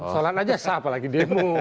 sholat aja sah apalagi demo